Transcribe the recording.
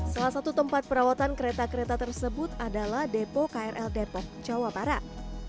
salah satu tempat perawatan kereta kereta tersebut adalah depo krl depok jawa barat